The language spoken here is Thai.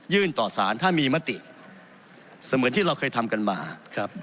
ต่อสารถ้ามีมติเสมือนที่เราเคยทำกันมาครับ